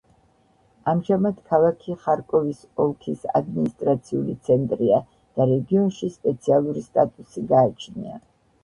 ამჟამად, ქალაქი ხარკოვის ოლქის ადმინისტრაციული ცენტრია და რეგიონში სპეციალური სტატუსი გააჩნია.